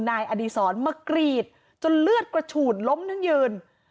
นายอดีศรมากรีดจนเลือดกระฉูดล้มทั้งยืน